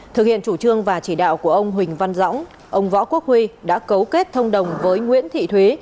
thực hiện chủ trương và chỉ đạo của ông huỳnh văn dõng ông võ quốc huy đã cấu kết thông đồng với nguyễn thị thúy